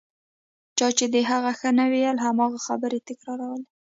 چا چې د هغه ښه نه ویل هماغه خبرې تکرارولې.